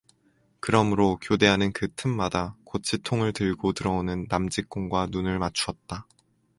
그러므로 교대하는 그 틈마다 고치통을 들고 들어오는 남 직공과 눈을 맞추었다.